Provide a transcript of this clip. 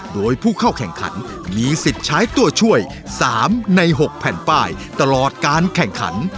โดยผู้เข้าแข่งขันมีสิทธิ์ใช้ตัวช่วย๓ใน๖แผ่นป้ายตลอดการแข่งขัน